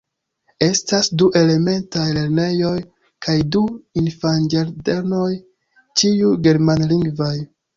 Estas du elementaj lernejoj kaj du infanĝardenoj, ĉiuj germanlingvaj.